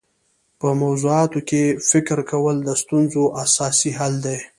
په موضوعاتو کي فکر کول د ستونزو اساسي حل دی.